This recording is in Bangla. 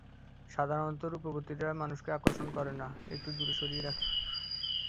সাধারণত রূপবতীরা মানুষকে আকর্ষণ করে না- একটু দূরে সরিয়ে রাখে।